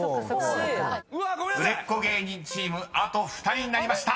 ［売れっ子芸人チームあと２人になりました］